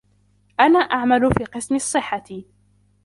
أنا أعمل في قسم الصّحّة.